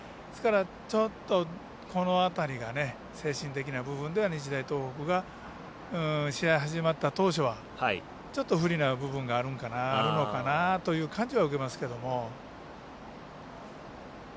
ちょっと、この辺りが精神的な部分では日大東北が試合始まった当初はちょっと不利な部分があるのかなという感じは受けますけど。